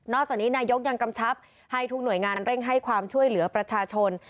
จากนี้นายกยังกำชับให้ทุกหน่วยงานเร่งให้ความช่วยเหลือประชาชน